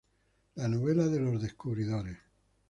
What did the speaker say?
La Novela de Los Descubridores".